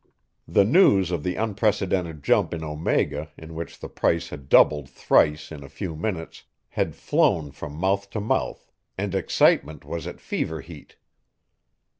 The news of the unprecedented jump in Omega in which the price had doubled thrice in a few minutes, had flown from mouth to mouth, and excitement was at fever heat.